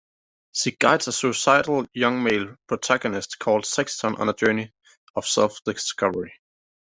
She guides a suicidal young male protagonist called Sexton on a journey of self-discovery.